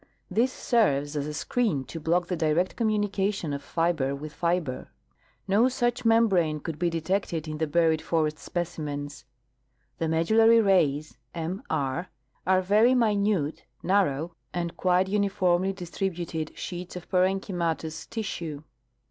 This serves as a screen to block the direct Wood from the buried Forest. 77 communication of fiber with fiber. No such membrane could be detected in the buried forest specimens. The medullary rays (m r) are very minute, narrow and quite uniformly distributed sheets of parenchymatous tissue.